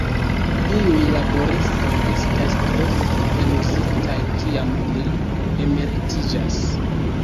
Iuj laboristoj estas tro eluzitaj kiam ili emeritiĝas.